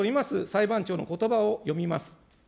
裁判長のことばを読みます。